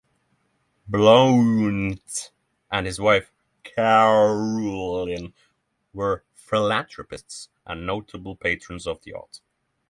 Blount and his wife Carolyn, were philanthropists and notable patrons of the arts.